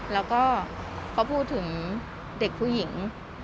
แล้วก็พอพูดถึงเด็กผู้หญิง